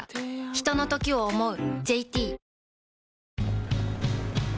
ひとのときを、想う。